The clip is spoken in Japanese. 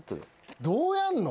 どうやんの？